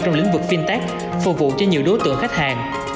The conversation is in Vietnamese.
trong lĩnh vực fintech phục vụ cho nhiều đối tượng khách hàng